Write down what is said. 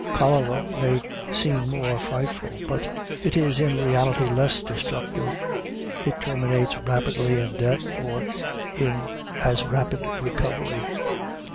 Cholera may seem more frightful, but it is in reality less destructive. It terminates rapidly in death, or in as rapid recovery.